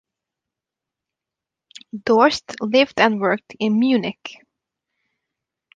Dorst lived and worked in Munich.